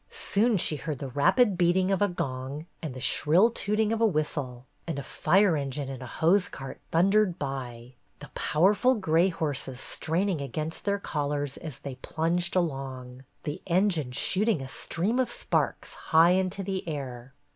Soon she heard the rapid beating of a gong and the shrill tooting of a whistle, and a fire engine and a hose cart thundered by, the powerful gray horses straining against their collars as they plunged along, the engine shooting a stream of sparks high into the air.